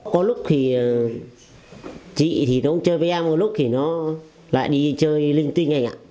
có lúc thì chị thì nó cũng chơi với em một lúc thì nó lại đi chơi linh tinh anh ạ